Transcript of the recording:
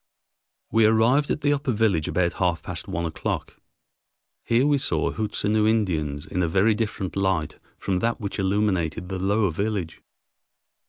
We arrived at the upper village about half past one o'clock. Here we saw Hootsenoo Indians in a very different light from that which illumined the lower village.